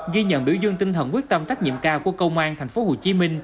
ghi nhận biểu dương tinh thần quyết tâm trách nhiệm cao của công an tp hcm